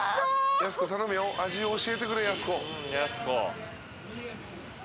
やす子頼むよ味を教えてくれやす子。